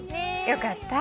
よかった。